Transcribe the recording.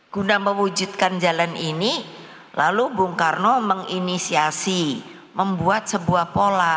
guna mewujudkan jalan ini lalu bung karno menginisiasi membuat sebuah pola